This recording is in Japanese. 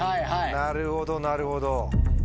なるほどなるほど。